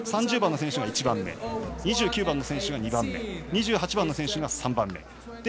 ３０番の選手が１番目２９番の選手が２番目２８番の選手が３番目。